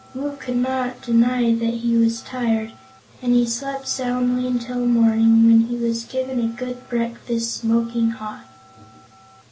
Woot could not deny that he was tired, and he slept soundly until morning, when he was given a good breakfast, smoking hot.